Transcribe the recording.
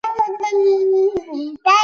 江户从前一晚开始也有可感地震。